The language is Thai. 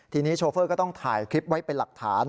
ทีนี้โชเฟอร์ก็ต้องถ่ายคลิปไว้เป็นหลักฐาน